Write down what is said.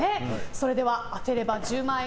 それでは当てれば１０万円！